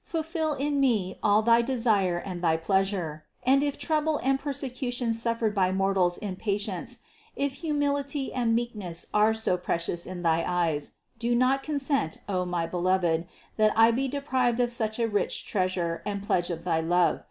Fulfill in me all thy desire and thy pleasure ; and if trouble and persecutions suffered by mortals in patience, if humility and meekness are so precious in thy eyes, do not consent, O my Beloved, that I be de prived of such a rich treasure and pledge of thy love.